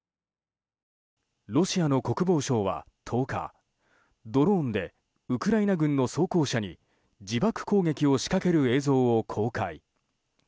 ロシアの国防省は１０日ドローンでウクライナ軍の装甲車に自爆攻撃を仕掛ける映像を公開。